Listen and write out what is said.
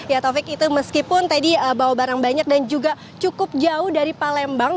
ya taufik itu meskipun tadi bawa barang banyak dan juga cukup jauh dari palembang